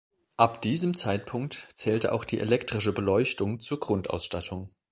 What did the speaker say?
Ab diesem Zeitpunkt zählte auch die elektrische Beleuchtung zur Grundausstattung.